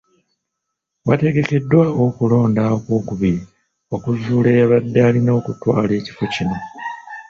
Wategekeddwawo okulonda okwokubiri okuzuula eyabadde alina okutwala ekifo kino.